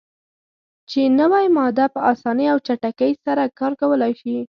چې نوی ماده "په اسانۍ او چټکۍ سره کار کولای شي.